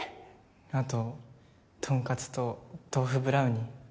あとトンカツと豆腐ブラウニー